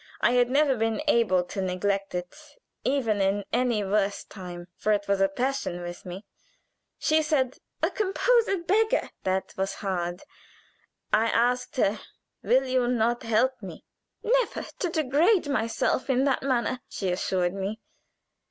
I had never been able to neglect it, even in any worst time, for it was a passion with me. She said: "'A composer a beggar!' That was hard. "I asked her, 'Will you not help me?' "'Never, to degrade yourself in that manner,' she assured me.